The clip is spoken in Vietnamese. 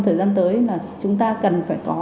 thời gian tới là chúng ta cần phải có